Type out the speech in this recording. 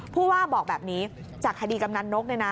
ผู้ว่าบอกแบบนี้จากคดีกำนันนก